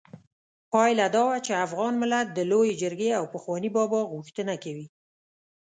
پايله دا وه چې افغان ملت د لویې جرګې او پخواني پاچا غوښتنه کوي.